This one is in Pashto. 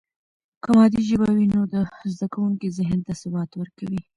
که مادي ژبه وي، نو د زده کوونکي ذهن ته ثبات ورکوي.